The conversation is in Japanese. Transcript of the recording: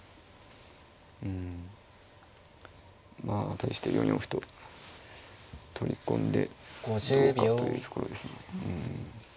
うんまあ対して４四歩と取り込んでどうかというところですね。